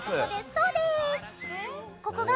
そうです！